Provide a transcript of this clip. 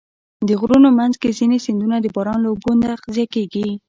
د غرونو منځ کې ځینې سیندونه د باران له اوبو تغذیه کېږي.